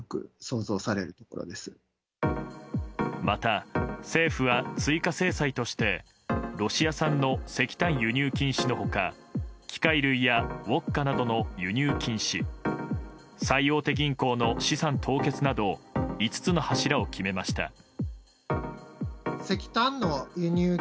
また政府は追加制裁としてロシア産の石炭輸入禁止の他機械類やウォッカなどの輸入禁止最大手銀行の資産凍結など５つの柱を決めました。